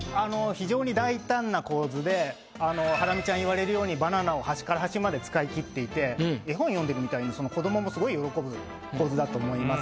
非常にハラミちゃん言われるようにバナナを端から端まで使いきってて絵本読んでるみたいに子どももすごい喜ぶ構図だと思います。